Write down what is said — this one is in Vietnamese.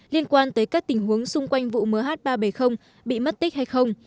liên quan tới các tình huống xung quanh vụ mh ba trăm bảy mươi bị mất tích hay không